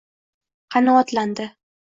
qanoatlandi.